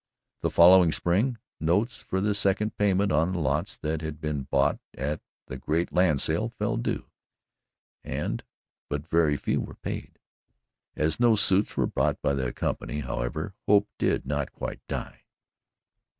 The following spring, notes for the second payment on the lots that had been bought at the great land sale fell due, and but very few were paid. As no suits were brought by the company, however, hope did not quite die.